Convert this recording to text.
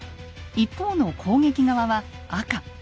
一方の攻撃側は赤。